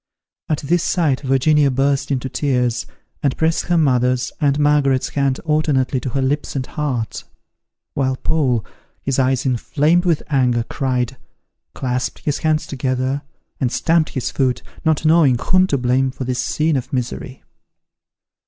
At this sight Virginia burst into tears, and pressed her mother's and Margaret's hand alternately to her lips and heart; while Paul, his eyes inflamed with anger, cried, clasped his hands together, and stamped his foot, not knowing whom to blame for this scene of misery.